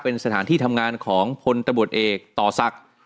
เป็นสถานที่ทำงานของพลตำรวจเอกต่อศักดิ์